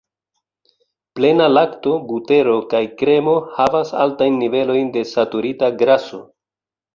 Plena lakto, butero kaj kremo havas altajn nivelojn de saturita graso.